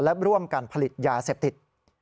และร่วมกันผลิตยาเสพติด